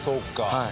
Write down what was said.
はい。